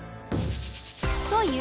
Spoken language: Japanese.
という